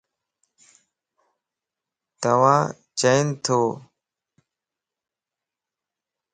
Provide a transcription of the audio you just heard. تُوا چين تو؟